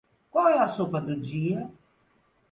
Qual é a sopa do dia?